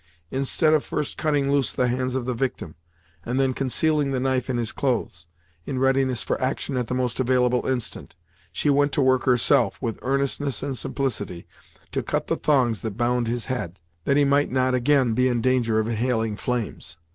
Instead of first cutting loose the hands of the victim, and then concealing the knife in his clothes, in readiness for action at the most available instant, she went to work herself, with earnestness and simplicity, to cut the thongs that bound his head, that he might not again be in danger of inhaling flames.